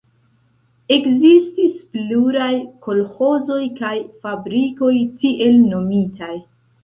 Ekzistis pluraj kolĥozoj kaj fabrikoj, tiel nomitaj.